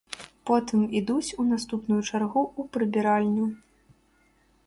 Потым ідуць у наступную чаргу ў прыбіральню.